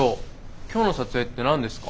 今日の撮影って何ですか？